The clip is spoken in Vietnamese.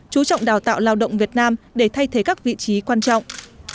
chú trọng đào tạo lao động việt nam để thay thế các vị trí quan trọng